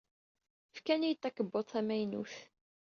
Fkan-iyi-d takebbuḍt tamaynut.